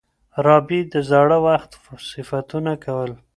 رابعې د زاړه وخت صفتونه کول.